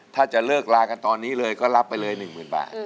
ถ้าจะเลิกลากันตอนนี้เลยก็รับไปเลย๑๐๐๐บาท